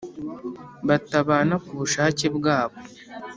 Batabana ku bushake bwabo